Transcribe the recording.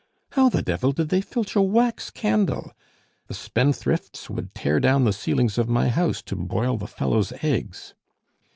How the devil did they filch a wax candle? The spendthrifts would tear down the ceilings of my house to boil the fellow's eggs."